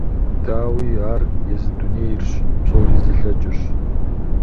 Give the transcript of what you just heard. Дауи, ар езы дунейрщ, псори зылъэкӀырщ.